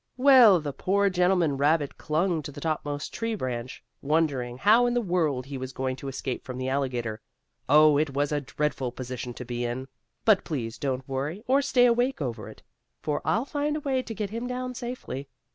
Well, the poor gentleman rabbit clung to the topmost tree branch, wondering how in the world he was going to escape from the alligator. Oh, it was a dreadful position to be in! But please don't worry or stay awake over it, for I'll find a way to get him down safely.